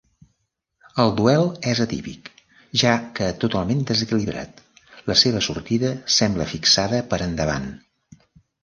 El duel és atípic, ja que totalment desequilibrat: la seva sortida sembla fixada per endavant.